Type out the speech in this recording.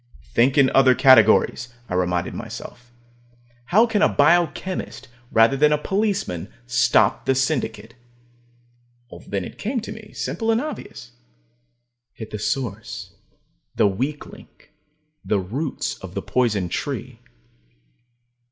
Think in other categories, I reminded myself. How can a biochemist, rather than a policeman, stop the Syndicate? Then it came to me, simple and obvious. Hit the source, the weak link, the roots of the poison tree.